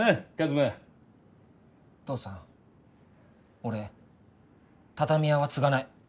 俺畳屋は継がない。